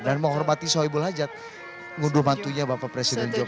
dan menghormati soebul hajat ngundur matunya bapak presiden jokowi